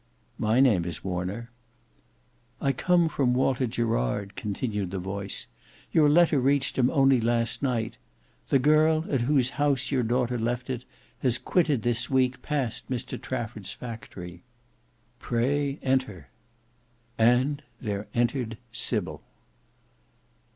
"My name is Warner." "I come from Walter Gerard," continued the voice. "Your letter reached him only last night. The girl at whose house your daughter left it has quitted this week past Mr Trafford's factory." "Pray enter." And there entered SYBIL.